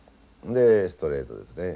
でストレートですね。